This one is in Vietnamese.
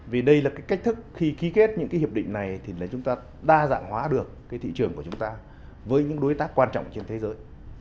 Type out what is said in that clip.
vì đây là cách thức khi ký kết những hiệp định này thì chúng ta đa dạng hóa được thị trường của chúng ta với những đối tác quan trọng trên thế giới